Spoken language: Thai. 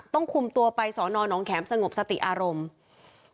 คุมตัวไปสอนอนน้องแขมสงบสติอารมณ์